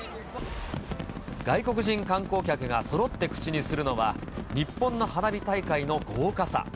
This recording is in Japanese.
外国人観光客がそろって口にするのは、日本の花火大会の豪華さ。